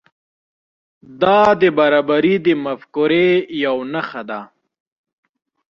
دا د برابري د مفکورې یو نښه ده.